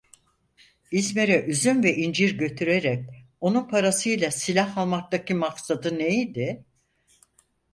İzmir'e üzüm ve incir götürerek onun parasıyla silah almaktaki maksadı ne idi?